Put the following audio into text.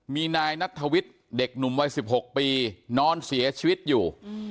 มีนายนัทธวิทย์เด็กหนุ่มวัย๑๖ปีนอนเสียชีวิตอยู่